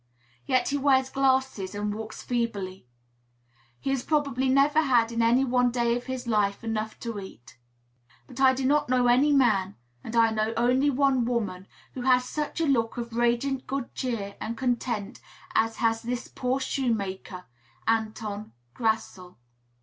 Yet he wears glasses and walks feebly; he has probably never had in any one day of his life enough to eat. But I do not know any man, and I know only one woman, who has such a look of radiant good cheer and content as has this poor shoemaker, Anton Grasl.